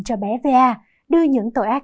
cho bé va đưa những tội ác